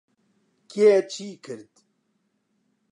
کێ چی کرد؟